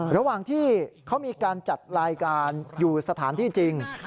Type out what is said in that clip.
ระหว่างที่เขามีการจัดรายการอยู่สถานที่จริง